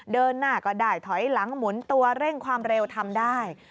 เดินหน้าก็ได้ถอยหลังหมุนตัวเร่งความเร็วทำได้